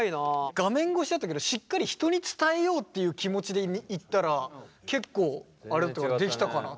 画面越しだったけどしっかり人に伝えようという気持ちで言ったら結構できたかな。